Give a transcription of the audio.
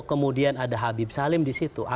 kemudian ada habib salim disitu